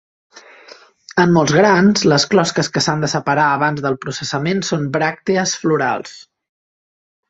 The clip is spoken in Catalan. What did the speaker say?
En molts grans, les "closques" que s'han de separar abans del processament són bràctees florals.